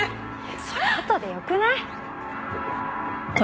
それあとでよくない？